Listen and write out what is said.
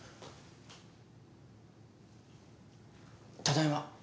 ただいま。